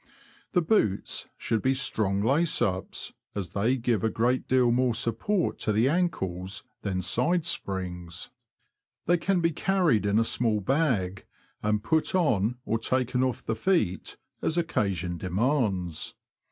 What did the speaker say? The boots should be strong lace ups, as they give a great deal more support to the Skate Iron. ankles than side springs. They can be carried in a small bag, and put on or taken off the feet as occasion demands.